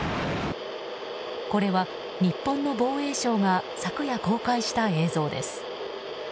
これは日本の防衛省が昨夜、公開した映像です。